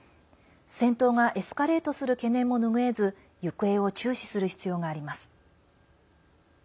戦闘がエスカレートする懸念も拭えず行方を注視する必要があります。